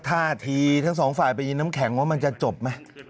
ท่าทีทั้งสองฝ่ายไปยินน้ำแข็งว่ามันจะจบไหม